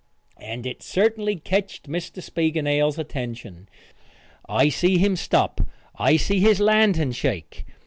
And it certainly ketched Mr. Spiegelnail's attention. I see him stop. I see his lantern shake.